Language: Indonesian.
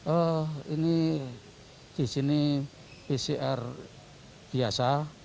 oh ini di sini pcr biasa